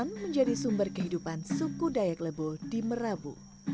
yang menjadi sumber kehidupan suku dayak lebo di merabu